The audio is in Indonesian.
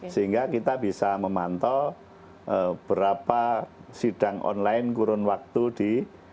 sehingga kita bisa memantau berapa sidang online kurun waktu di dua ribu dua puluh